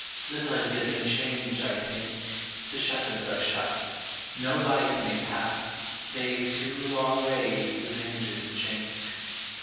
Little has yet been changed, I think; The shutters are shut, no light may pass Save two long rays through the hinge's chink.